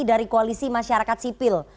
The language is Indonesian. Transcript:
dari koalisi masyarakat sipil